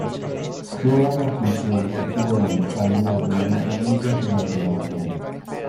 Todas las funciones se pueden cambiar dinámicamente durante la batalla.